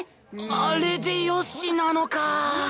あれでよしなのか！